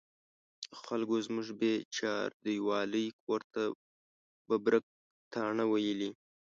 خلکو زموږ بې چاردیوالۍ کور ته ببرک تاڼه ویلې.